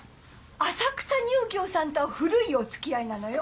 浅草乳業さんとは古いおつきあいなのよ。